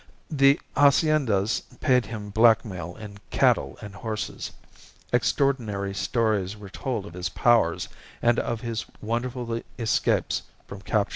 The haciendas paid him blackmail in cattle and horses; extraordinary stories were told of his powers and of his wonderful escapes from capture.